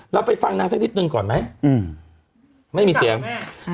เราไปฟังนางสักนิดหนึ่งก่อนไหมอืมไม่มีเสียง